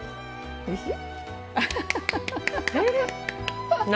おいしい。